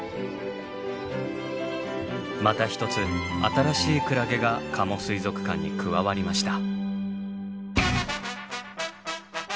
また一つ新しいクラゲが加茂水族館に加わりました。